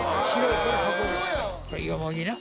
これよもぎな。